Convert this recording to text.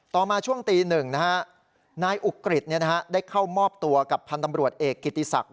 ต่อมาช่วงตี๑นายอุกฤษได้เข้ามอบตัวกับพันธ์ตำรวจเอกกิติศักดิ